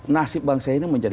nasib bangsa ini menjadi